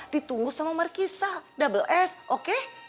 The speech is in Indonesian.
ditunggu sama markisa double s oke